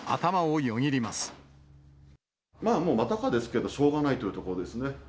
まあ、もうまたかですけど、しょうがないというところですね。